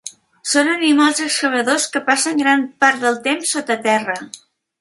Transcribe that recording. Són animals excavadors que passen gran part del temps sota terra.